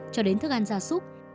cho đến thức ăn gia súc